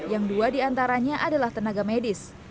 yang dua diantaranya adalah tenaga medis